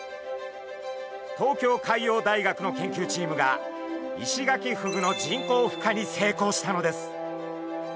東京海洋大学の研究チームがイシガキフグの人工ふ化に成功したのです。